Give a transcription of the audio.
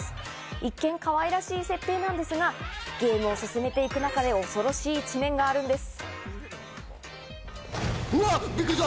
一見、かわいらしい設定なんですが、ゲームを進めていく中で恐ろしい一面があるんです。